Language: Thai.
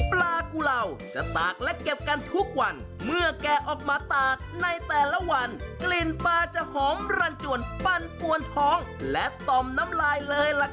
ปลากุเหล่าจะตากและเก็บกันทุกวันเมื่อแกออกมาตากในแต่ละวันกลิ่นปลาจะหอมรันจวนปั้นปวนท้องและต่อมน้ำลายเลยล่ะครับ